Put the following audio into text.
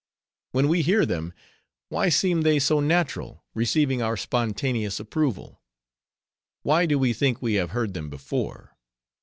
When we hear them, why seem they so natural, receiving our spontaneous approval? why do we think we have heard them before?